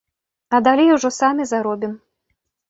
А далей ужо самі заробім.